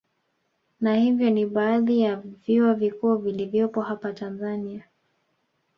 Na hivyo ni baadhi ya vyuo vikuu vilivyopo hapa Tanzania